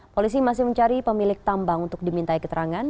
polisi masih mencari pemilik tambang untuk dimintai keterangan